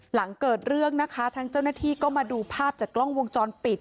หลังเกิดเรื่องนะคะทางเจ้าหน้าที่ก็มาดูภาพจากกล้องวงจรปิด